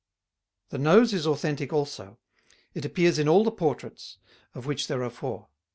The Nose is authentic also. It appears in all the portraits, of which there are four.